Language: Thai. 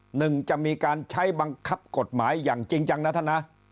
หนึ่งจะมีการใช้บังคับกฎหมายอย่างจริงจังนะท่านนะ